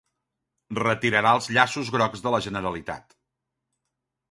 Retirarà els llaços grocs de la Generalitat.